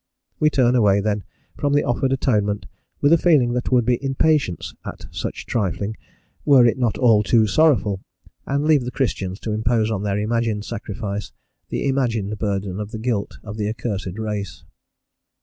We turn away, then, from the offered atonement with a feeling that would be impatience at such trifling, were it not all too sorrowful, and leave the Christians to impose on their imagined sacrifice, the imagined burden of the guilt of the accursed race.